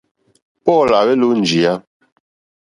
Paul à hwélō njìyá.